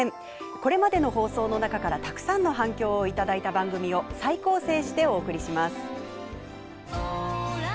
これまでの放送の中からたくさんの反響を頂いた番組を再構成してお送りします。